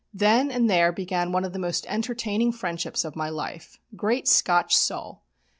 Then and there began one of the most entertaining friendships of my life. Great Scotch soul!